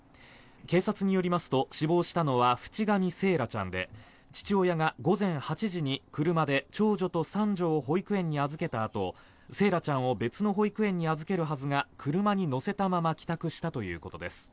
警察によりますと死亡したのは渕上惺愛ちゃんで父親が午前８時に来るまで長女と三女を保育園に預けた後惺愛ちゃんを別の保育園に預けるはずが車に乗せたまま帰宅したということです。